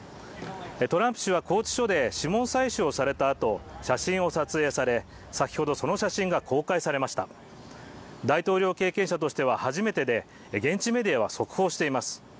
トランプ氏は拘置所で指紋採取をされたあと写真を撮影され先ほどその写真が公開されました大統領経験者としては初めてで現地メディアは速報しています